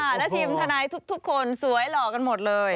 และทีมทนายทุกคนสวยหล่อกันหมดเลย